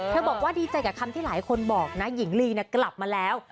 บอกว่าดีใจกับคำที่หลายคนบอกนะหญิงลีกลับมาแล้ว